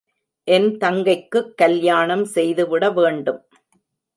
என் தங்கைக்குக், கல்யாணம் செய்துவிட வேண்டும்.